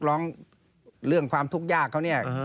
เรื่องความทุกข์ยากเขาเนี่ย